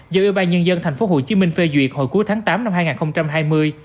do yên bài nhân dân tp hcm phê duyệt hồi cuối tháng tám năm hai nghìn hai mươi